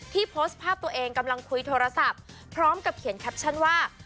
โพสต์ภาพตัวเองกำลังคุยโทรศัพท์พร้อมกับเขียนแคปชั่นว่า